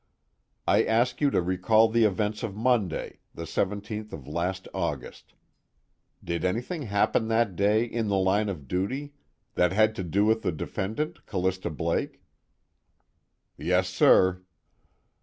"I ask you to recall the events of Monday, the 17th of last August. Did anything happen that day in the line of duty that had to do with the defendant Callista Blake?" "Yes, sir."